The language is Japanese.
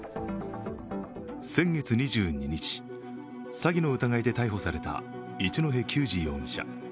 先月２２日、詐欺の疑いで逮捕された一戸赳児容疑者。